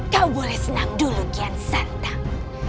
kau boleh senam dulu kian santang